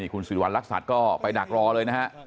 คุณสิริวัณรักษัตริย์ก็ไปดักรอเลยนะฮะ